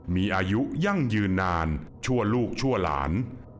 มีอายุยั่งยืนนานชั่วลูกชั่วหลาน